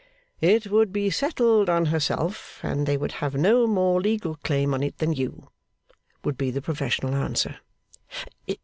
'It would be settled on herself, and they would have no more legal claim on it than you,' would be the professional answer.